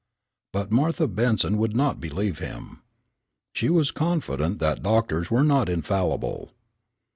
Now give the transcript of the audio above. But Martha Benson would not believe him. She was confident that doctors were not infallible.